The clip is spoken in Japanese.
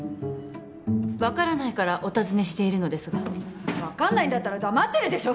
分からないからお尋ねしているのですが分かんないんだったら黙ってるでしょ